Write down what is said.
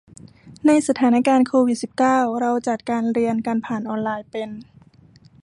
ในสถานการณ์โควิดสิบเก้า เราจัดการเรียนกันผ่านออนไลน์เป็น